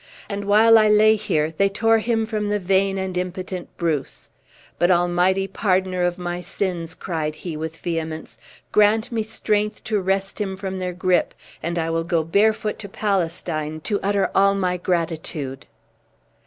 And while I lay here, they tore him from the vain and impotent Bruce! But, Almighty pardoner of my sins!" cried he, with vehemence, "grant me strength to wrest him from their grip, and I will go barefoot to Palestine, to utter all my gratitude!"